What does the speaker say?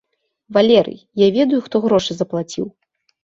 Валерый, я ведаю хто грошы заплаціў.